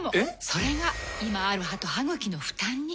それが今ある歯と歯ぐきの負担に。